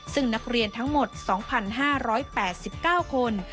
ซึ่งนักเรียนทั้งหมด๒๕๘๙คน